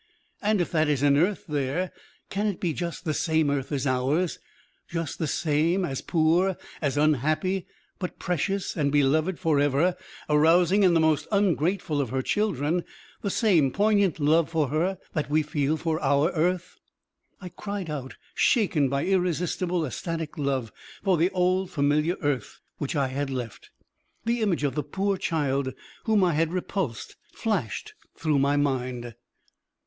And if that is an earth there, can it be just the same earth as ours ... just the same, as poor, as unhappy, but precious and beloved for ever, arousing in the most ungrateful of her children the same poignant love for her that we feel for our earth?" I cried out, shaken by irresistible, ecstatic love for the old familiar earth which I had left. The image of the poor child whom I had repulsed flashed through my mind.